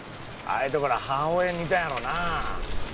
あいうところ母親に似たんやろな